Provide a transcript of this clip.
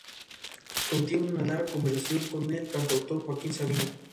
Aunque no tuvo la suerte de anotar, estuvo cerca de hacerlo en dos oportunidades.